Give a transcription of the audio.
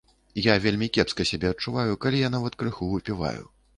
Я вельмі кепска сябе адчуваю, калі я нават крыху выпіваю.